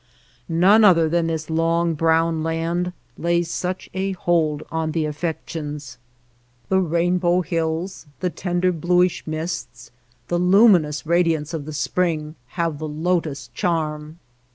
None other than this long brown land lays such a hold on the affec tions. The rainbow hills, the tender blu ish mists, the luminous radiance of the spring, have the lotus charm.